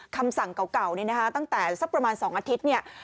คำสั่งเก่าเนี่ยนะคะตั้งแต่สักประมาณ๒อาทิตย์เนี่ย